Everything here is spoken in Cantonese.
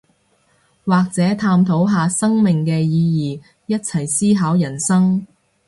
或者探討下生命嘅意義，一齊思考人生